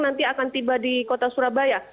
nanti akan tiba di kota surabaya